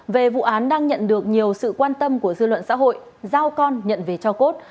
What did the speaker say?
về vụ án đang nhận được nhiều sự quan tâm của dư luận xã hội giao con nhận về cho cốt